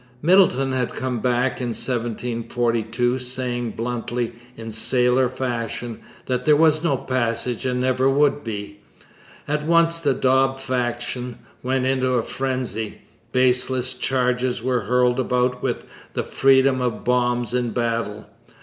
Middleton had come back in 1742 saying bluntly, in sailor fashion, that 'there was no passage and never would be.' At once the Dobbs faction went into a frenzy. Baseless charges were hurled about with the freedom of bombs in a battle.